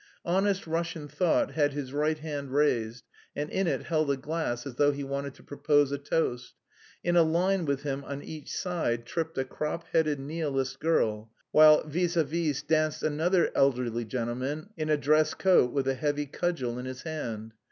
"Honest Russian thought" had his right hand raised and in it held a glass as though he wanted to propose a toast. In a line with him on each side tripped a crop headed Nihilist girl; while vis à vis danced another elderly gentleman in a dress coat with a heavy cudgel in his hand.